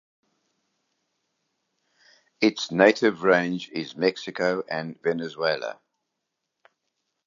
Its native range is Mexico and Venezuela.